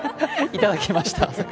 いただきました。